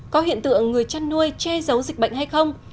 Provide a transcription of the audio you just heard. có hiện tượng người chăn nuôi che giấu dịch bệnh hay không